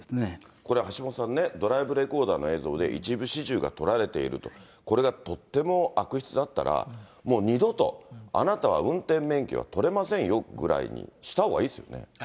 これ橋下さんね、ドライブレコーダーの映像で一部始終が撮られていると、これがとっても悪質だったら、もう二度と、あなたは運転免許は取れませんよぐらいにしたほうがいいですよね。